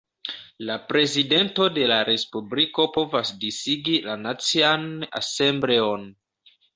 La Prezidento de la Respubliko povas disigi la Nacian Asembleon.